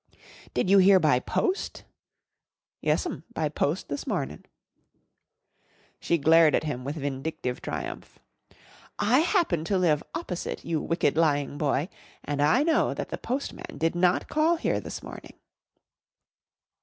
"Did you hear by post?" "Yes'm. By post this mornin'." She glared at him with vindictive triumph. "I happen to live opposite, you wicked, lying boy, and I know that the postman did not call here this morning."